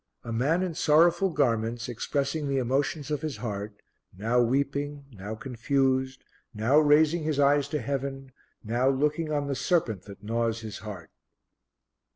A man in sorrowful garments expressing the emotions of his heart, now weeping, now confused, now raising his eyes to Heaven, now looking on the serpent that gnaws his heart.